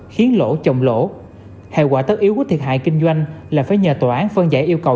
khiến lỗ trồng lỗ hệ quả tất yếu của thiệt hại kinh doanh là phải nhờ tòa án phân giải yêu cầu